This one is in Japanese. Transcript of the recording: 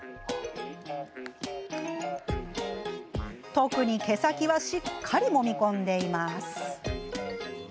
特に毛先は、しっかりもみ込んでいます。